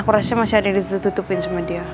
masalahnya masih ada yang ditutupin sama dia